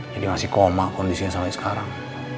jadi masih koma kondisinya selain sekarang